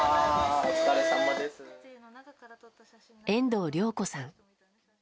遠藤綾子さん。